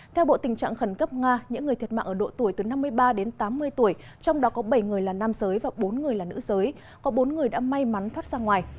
theo bộ tình trạng khẩn cấp nga những người thiệt mạng ở độ tuổi từ năm mươi ba đến tám mươi tuổi trong đó có bảy người là nam giới và bốn người là nữ giới có bốn người đã may mắn thoát ra ngoài